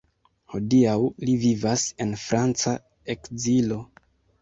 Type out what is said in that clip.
Hodiaŭ li vivas en franca ekzilo.